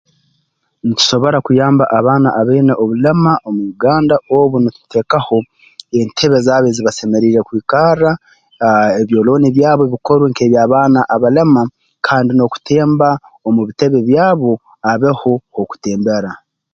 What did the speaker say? Ntusobora kuyamba abaana abaine obulema omu Uganda obu nituteekaho entebe zaabo ezi basemeriire kwikarra aah ebyolooni byabo bikorwe nk'eby'abaana abalema kandi n'okutemba omu bitebe byabo habeho h'okutembera